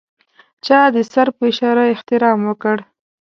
چا د سر په اشاره احترام وکړ.